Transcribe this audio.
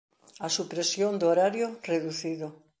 A supresión do horario reducido